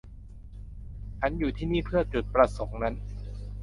ฉันอยู่ที่นี่เพื่อจุดประสงค์นั้น